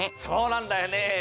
そうなんだよね。